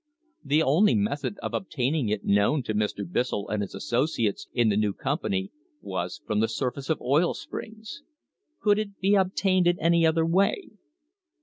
The only method of obtaining it known to Mr. Bissell and his associates in the new company was from the surface of oil springs. Could it be obtained in any other way?